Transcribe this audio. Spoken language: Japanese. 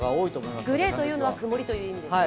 グレーというのは曇りという意味ですね。